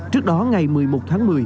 trước đó ngày một mươi một tháng một mươi